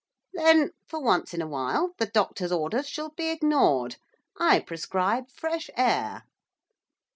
'Then, for once in a while, the doctor's orders shall be ignored, I prescribe fresh air.